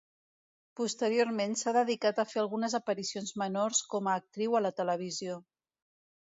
Posteriorment s'ha dedicat a fer algunes aparicions menors com a actriu a la televisió.